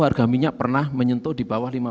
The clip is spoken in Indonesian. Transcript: harga minyak pernah menyentuh di bawah